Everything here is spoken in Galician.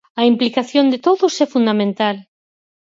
A implicación de todos é fundamental.